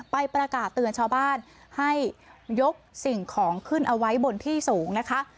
ไปประกาศเตือนชาวบ้านให้ยกสิ่งของขึ้นเอาไว้บนที่สูงนะคะ